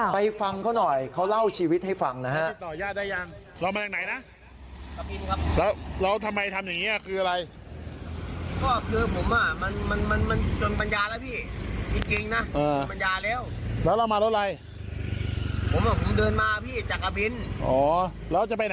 ฟังเขาหน่อยเขาเล่าชีวิตให้ฟังนะฮะ